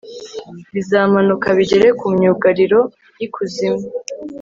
bizamanuka bigere ku myugariro y ikuzimu